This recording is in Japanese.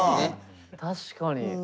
確かに。